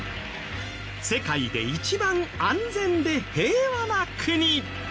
世界で一番安全で平和な国。